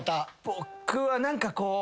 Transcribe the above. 僕は何かこう。